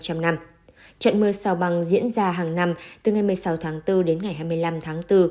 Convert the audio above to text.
trận mưa sao băng diễn ra hàng năm từ ngày một mươi sáu tháng bốn đến ngày hai mươi năm tháng bốn